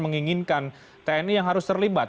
menginginkan tni yang harus terlibat